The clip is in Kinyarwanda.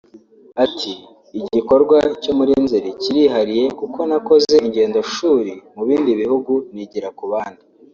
Ati “Igikorwa cyo muri Nzeri kirihariye kuko nakoze ingendoshuri mu bindi bihugu nigira ku bandi